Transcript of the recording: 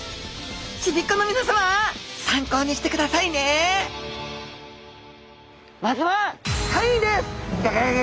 ちびっ子の皆さま参考にしてくださいねまずは３位です。